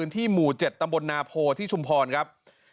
ที่หมู่๗ตำบลนาโพที่ชุมพรครับ